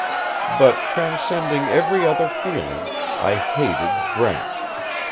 "But transcending every other feeling, I hated Brent.